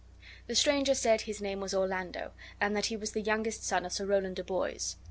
The stranger said his name was Orlando, and that he was the youngest son of Sir Rowland de Boys.